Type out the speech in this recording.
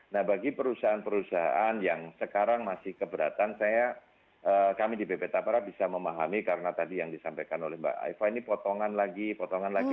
nah bagi perusahaan perusahaan yang sekarang masih keberatan saya kami di bp tapara bisa memahami karena tadi yang disampaikan oleh mbak eva ini potongan lagi potongan lagi